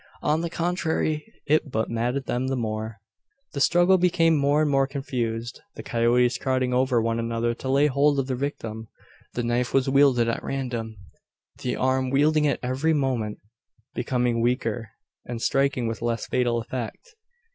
On the contrary, it but maddened them the more. The struggle became more and more confused the coyotes crowding over one another to lay hold of their victim. The knife was wielded at random; the arm wielding it every moment becoming weaker, and striking with less fatal effect.